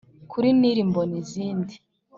Kuri nili mbona izindi